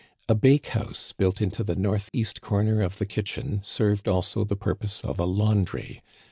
A bake house, built into the northeast comer of the kitchen, served also the purpose of a laundry.